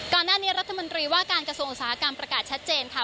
ก่อนหน้านี้รัฐมนตรีว่าการกระทรวงอุตสาหกรรมประกาศชัดเจนค่ะ